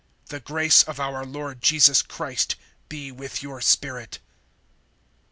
(25)The grace of our Lord Jesus Christ be with your spirit.